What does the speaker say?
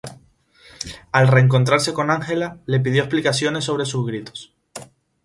Al reencontrarse con Ángela, le pidió explicaciones sobre sus gritos.